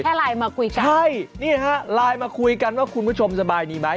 ไลน์มาคุยกันใช่นี่ฮะไลน์มาคุยกันว่าคุณผู้ชมสบายดีไหม